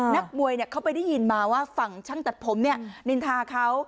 นักมวยเขาไปได้ยินมาว่าฝั่งช่างตัดผมเนี่ยนินทาเขา